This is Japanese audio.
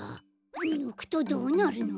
ぬくとどうなるの？